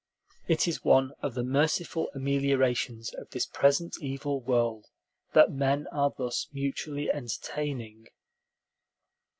It is one of the merciful ameliorations of this present evil world that men are thus mutually entertaining.